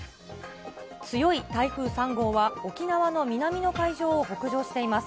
強い台風３号は、沖縄の南の海上を北上しています。